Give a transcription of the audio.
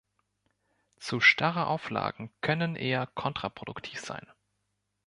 Zu starre Auflagen können eher kontraproduktiv sein.